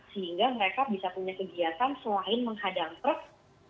sehingga mereka bisa punya kegiatan selain menghadang truk